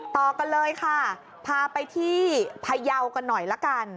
ต่อกันเลยค่ะพาไปที่พยาวกันหน่อยละกัน